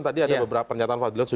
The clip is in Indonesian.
tadi ada beberapa pernyataan fadlizon